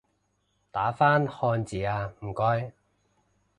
打返漢字吖唔該